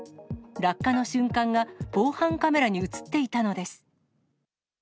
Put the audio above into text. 落下の瞬間が防犯カメラに写っていたのです。